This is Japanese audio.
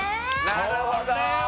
なるほど。